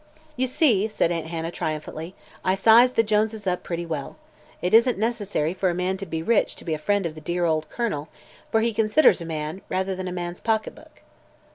"You see," said Aunt Hannah, triumphantly, "I sized the Joneses up pretty well. It isn't necessary for a man to be rich to be a friend of the dear Colonel, for he considers a man, rather than a man's pocketbook."